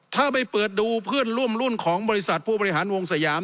ถ้าไปเปิดดูเพื่อนร่วมรุ่นของบริษัทผู้บริหารวงสยาม